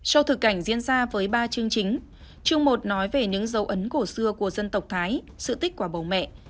sau thực cảnh diễn ra với ba chương chính chương một nói về những dấu ấn cổ xưa của dân tộc thái sự tích quả bầu mẹ